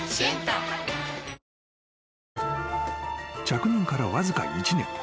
［着任からわずか１年。